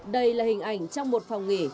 đây là hình ảnh trong một phòng nghỉ